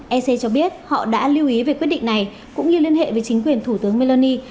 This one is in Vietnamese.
ec cho biết họ đã lưu ý về quyết định này cũng như liên hệ với chính quyền thủ tướng meloni